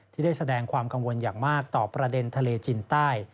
ที่ได้แสดงความกังวลอย่างมากต่อประเด็นทะเลจีนใต้